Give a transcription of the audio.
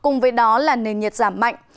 nó là nền nhiệt giảm mạnh